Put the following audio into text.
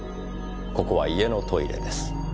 「ここは家のトイレです」